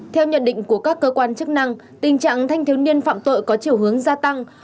theo nhận định của các cơ quan chức năng tình trạng thanh thiếu niên phạm tội có chiều hướng gia tăng